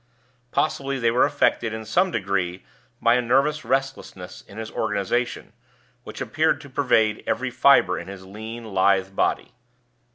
Possibly they were affected in some degree by a nervous restlessness in his organization, which appeared to pervade every fiber in his lean, lithe body.